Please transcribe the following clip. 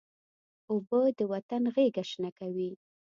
اوبه د وطن غیږه شنه کوي.